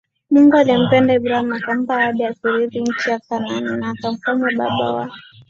Mungu alimpenda Ibrahimu akampa ahadi ya kuirithi nchi ya Kaanani na akamfanya Baba wa